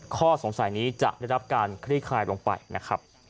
ข้อสงสัยนี้จะได้รับการคลิกคลายลงไป